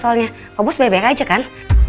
soalnya kok bos baik baik aja kan